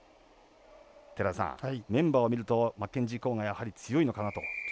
寺田さん、メンバーを見るとマッケンジー・コーンがやはり強いのかなと。